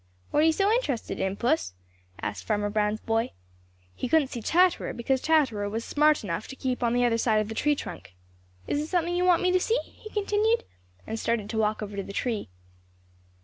"What are you so interested in, Puss?" asked Farmer Brown's boy. He couldn't see Chatterer, because Chatterer was smart enough to keep on the other side of the tree trunk. "Is it something you want me to see?" he continued, and started to walk over to the tree.